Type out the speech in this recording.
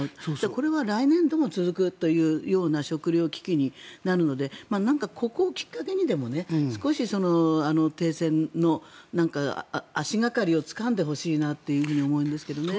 これは来年度も続くというような食糧危機になるのでここをきっかけにでも少し停戦の足掛かりをつかんでほしいなっていうふうに思うんですけどね。